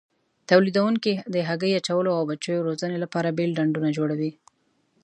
تولیدوونکي د هګۍ اچولو او بچیو روزنې لپاره بېل ډنډونه جوړوي.